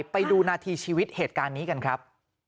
ไปดูนาทีชีวิตเหตุการณ์นี้กันครับ